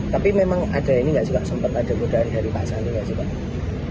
tapi memang ada ini nggak juga sempat ada godaan dari pak sandi nggak sih pak